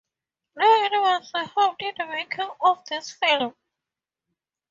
No animals were harmed in the making of this film.